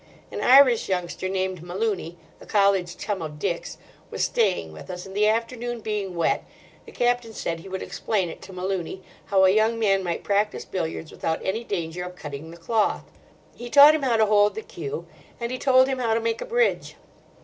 An Irish youngster named Malooney, a college chum of Dick's, was staying with us; and the afternoon being wet, the Captain said he would explain it to Malooney, how a young man might practise billiards without any danger of cutting the cloth. He taught him how to hold the cue, and he told him how to make a bridge.